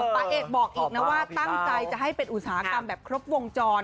ป่าเอกบอกอีกนะว่าตั้งใจจะให้เป็นอุตสาหกรรมแบบครบวงจร